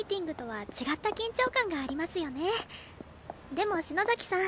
でも篠崎さん